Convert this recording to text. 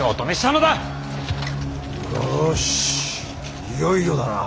よしいよいよだな。